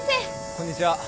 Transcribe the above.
こんにちは。